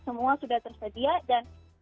semua sudah tersedia dan